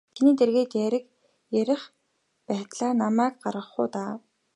Чиний дэргэд ярих байтлаа намайг гаргах уу даа.